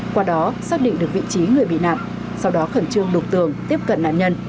qua đó xác định được vị trí người bị nạn sau đó khẩn trương đục tường tiếp cận nạn nhân